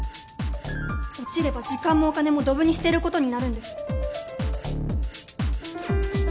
落ちれば時間もお金もどぶに捨てることになるんです。